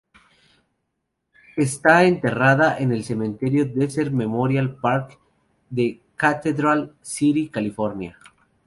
Está enterrada en el Cementerio Desert Memorial Park de Cathedral City, California.